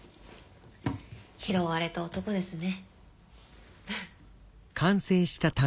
「拾われた男」ですね。